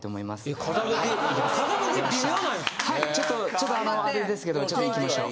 ちょっとあれですけどちょっと行きましょう。